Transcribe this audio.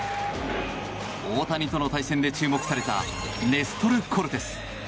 大谷との対戦で注目されたネストル・コルテス。